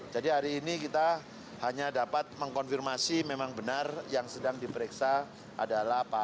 jadi hari ini kita hanya dapat mengkonfirmasi memang benar yang sedang diperiksa adalah pak ws